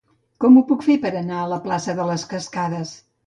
Com ho puc fer per anar a la plaça de les Cascades?